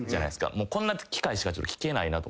こんな機会しか聞けないなと。